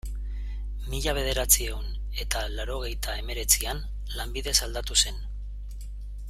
Mila bederatziehun eta laurogeita hemeretzian, lanbidez aldatu zen.